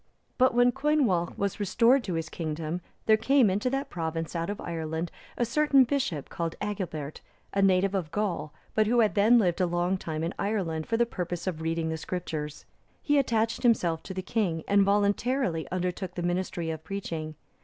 (325) But when Coinwalch was restored to his kingdom, there came into that province out of Ireland, a certain bishop called Agilbert,(326) a native of Gaul, but who had then lived a long time in Ireland, for the purpose of reading the Scriptures. He attached himself to the king, and voluntarily undertook the ministry of preaching.